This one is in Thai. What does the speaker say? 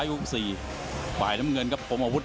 กลัวไล่แค่ขวามันอย่าลืมน้ำเงินยังมีบางมิตรเลย